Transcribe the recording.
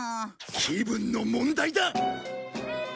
気分の問題だ！